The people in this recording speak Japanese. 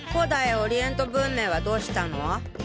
オリエント文明はどうしたの？